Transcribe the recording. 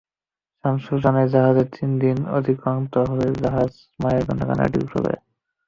শামসুল জানায়, জাহাজে তিন দিন অতিক্রান্ত হলে বাবা-মায়ের জন্য কান্নাকাটি শুরু করে।